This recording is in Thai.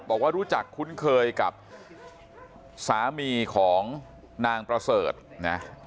บอกว่ารู้จักคุ้นเคยกับสามีของนางประเสริฐนะ